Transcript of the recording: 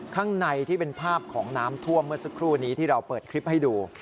ข้างในที่เป็นภาพของน้ำท่วมเมื่อสักครู่นี้ที่เราเปิดคลิปให้ดู